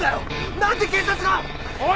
何で警察が？おい。